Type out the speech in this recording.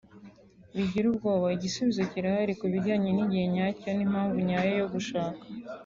Wigira ubwoba igisubizo kirahari ku bijyanye n’igihe nyacyo n’impamvu nyayo yo gushaka